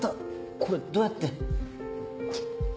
これどうやって？